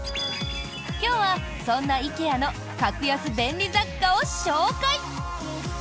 今日は、そんなＩＫＥＡの格安便利雑貨を紹介。